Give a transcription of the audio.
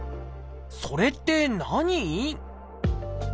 それって何？